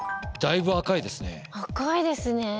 だいぶ赤いですね。